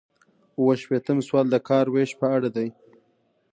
اووه شپیتم سوال د کار ویش په اړه دی.